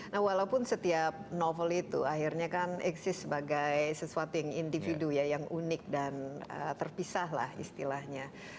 nah walaupun setiap novel itu akhirnya kan eksis sebagai sesuatu yang individu ya yang unik dan terpisah lah istilahnya